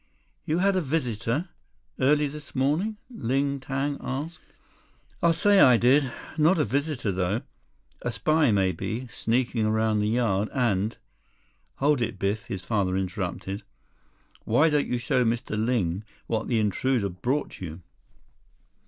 "You had a visitor? Early this morning?" Ling Tang asked. "I'll say I did. Not a visitor, though. A spy, maybe—sneaking around the yard and—" "Hold it, Biff," his father interrupted. "Why don't you show Mr. Ling what the intruder brought you?"